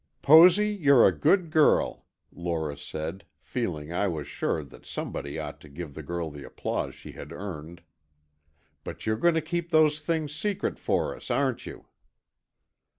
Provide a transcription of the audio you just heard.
"Posy, you're a good girl," Lora said, feeling, I was sure, that somebody ought to give the girl the applause she had earned. "But you're going to keep those things secret for us, aren't you?"